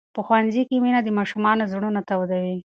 په ښوونځي کې مینه د ماشومانو زړونه تودوي.